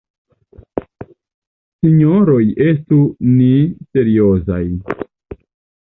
Sinjoroj estu ni seriozaj.